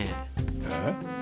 えっ？